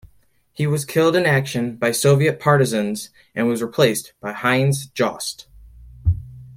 He was killed in action by Soviet partisans and was replaced by Heinz Jost.